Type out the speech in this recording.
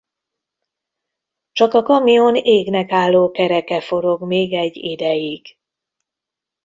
Csak a kamion égnek álló kereke forog még egy ideig.